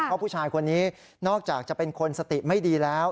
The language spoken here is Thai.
เพราะผู้ชายคนนี้นอกจากจะเป็นคนสติไม่ดีแล้ว